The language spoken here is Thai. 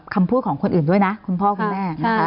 ของคนอื่นด้วยนะคุณพ่อคุณแม่